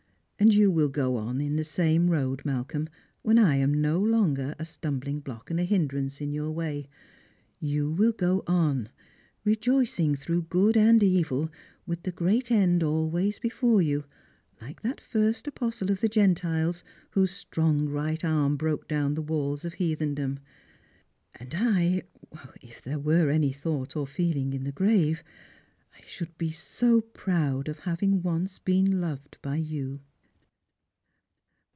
And yoi will go on in the same road, Malcolm, when I am no longer a stumbling block and a hindrance in yoTir way. You will go on, rejoicing through good and evil, with the great end always Defore you, like that first apostle of the Gentiles, whose strong right arm broke down the walls of heathendom And I — if there were any thought or feeling in the grave — should be so proud of having once been loved by you